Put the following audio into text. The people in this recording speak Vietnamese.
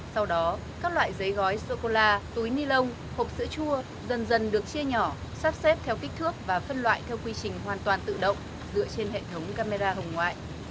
sau đó các loại giấy gói sô cô la túi ni lông hộp sữa chua dần dần được chia nhỏ sắp xếp theo kích thước và phân loại theo quy trình hoàn toàn tự động dựa trên hệ thống camera hồng ngoại